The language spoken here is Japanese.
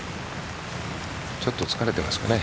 ちょっと疲れてますかね。